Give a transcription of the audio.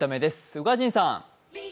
宇賀神さん。